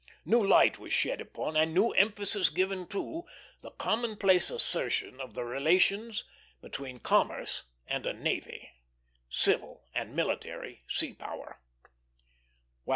New light was shed upon, and new emphasis given to, the commonplace assertion of the relations between commerce and a navy; civil and military sea power.